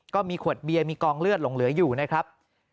ก็มีขวดเบียร์มีกองเลือดหลงเหลืออยู่นะครับ